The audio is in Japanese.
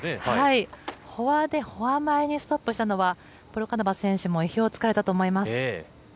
フォアでフォア前にストップしたのは、ポルカノバ選手も意表をつかれたと思います。